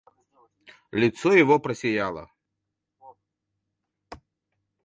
Лицо его просияло.